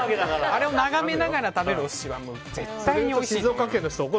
あれを眺めながら食べるお寿司は絶対おいしい。